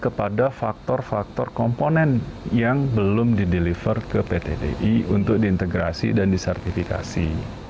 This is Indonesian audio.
kepada faktor faktor komponen yang belum dideliver ke pt di untuk diintegrasi dan disertifikasi